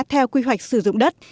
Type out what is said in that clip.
theo quy hoạch sử dụng đất